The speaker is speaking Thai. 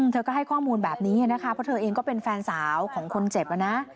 เธอก็ให้ข้อมูลแบบนี้นะคะเพราะเธอเองก็เป็นแฟนสาวของคนเจ็บนะ